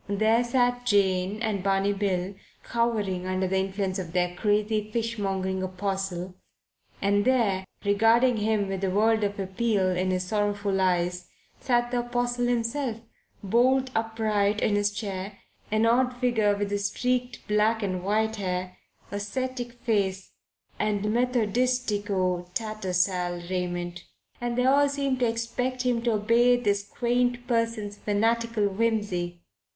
There sat Jane and Barney Bill cowering under the influence of their crazy fishmongering apostle; and there, regarding him with a world of appeal in his sorrowful eyes, sat the apostle himself, bolt upright in his chair, an odd figure with his streaked black and white hair, ascetic face and Methodistico Tattersall raiment. And they all seemed to expect him to obey this quaint person's fanatical whimsy.